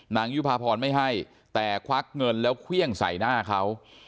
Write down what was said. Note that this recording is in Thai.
ยุภาพรไม่ให้แต่ควักเงินแล้วเครื่องใส่หน้าเขา